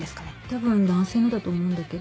たぶん男性のだと思うんだけど。